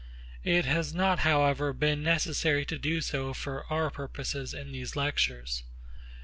It has not however been necessary to do so for our purposes in these lectures.